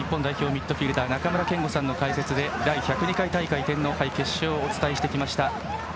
ミッドフィールダー中村憲剛さんの解説で第１０２回大会天皇杯の決勝をお伝えしてきました。